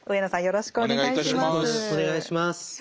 よろしくお願いします。